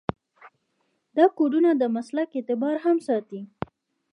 دا کودونه د مسلک اعتبار هم ساتي.